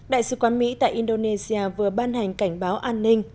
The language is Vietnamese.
đại sứ quán mỹ tại indonesia vừa ban hành cảnh báo an ninh